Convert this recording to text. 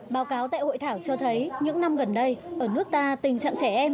báo cáo tại hội thảo cho thấy những năm gần đây ở nước ta tình trạng trẻ em